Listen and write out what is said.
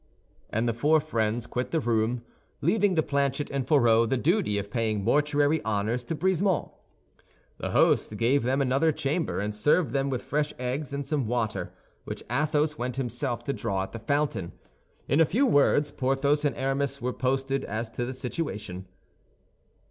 And the four friends quit the room, leaving to Planchet and Fourreau the duty of paying mortuary honors to Brisemont. The host gave them another chamber, and served them with fresh eggs and some water, which Athos went himself to draw at the fountain. In a few words, Porthos and Aramis were posted as to the situation.